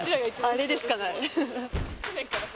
あれでしかない。